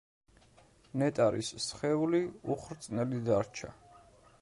ნეტარის სხეული უხრწნელი დარჩა.